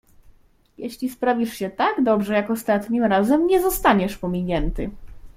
"Jeśli sprawisz się tak dobrze, jak ostatnim razem, nie zostaniesz pominięty."